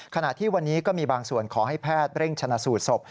ขณะที่วันนี้ก็มีบางส่วนขอให้แพทย์เร่งชนะสูตรศพ